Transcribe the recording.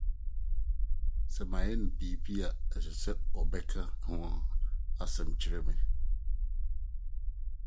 Sɛ mayɛ no biribi a, ɛsɛ sɛ ɔbɛka ho asɛm kyerɛ me. ’